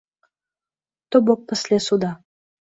То бок пасля суда.